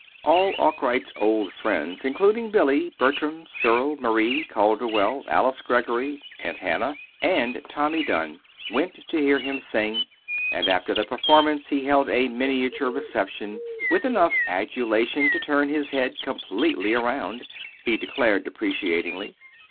All Arkwright's old friends, including Billy, Bertram, Cyril, Marie, Calderwell, Alice Greggory, Aunt Hannah, and Tommy Dunn, went to hear him sing; and after the performance he held a miniature reception, with enough adulation to turn his head completely around, he declared deprecatingly.